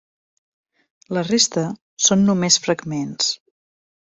La resta són només fragments.